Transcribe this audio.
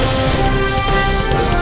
con đừng đáng bận nhớ